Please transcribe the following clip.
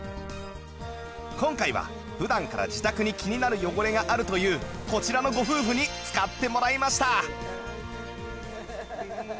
今回は普段から自宅に気になる汚れがあるというこちらのご夫婦に使ってもらいました